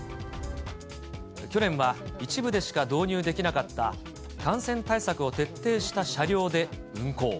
去年は一部でしか導入できなかった感染対策を徹底した車両で運行。